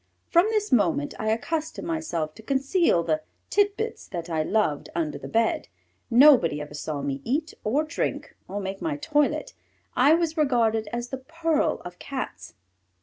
From this moment I accustomed myself to conceal the titbits that I loved under the bed. Nobody ever saw me eat, or drink, or make my toilet. I was regarded as the pearl of Cats.